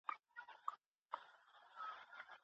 ایا واړه پلورونکي وچ انار پروسس کوي؟